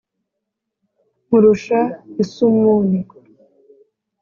Nkurusha isumuni,